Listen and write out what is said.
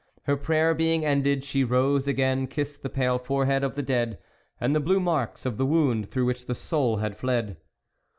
Her prayer being ended, she rose again, kissed the pale forehead of the dead, and the blue marks of the wound through which the soul had fled.